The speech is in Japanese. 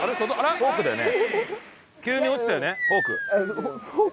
フォークだよね。